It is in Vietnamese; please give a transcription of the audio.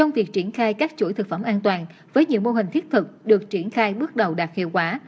nhiều mô hình thiết thực được triển khai bước đầu đạt hiệu quả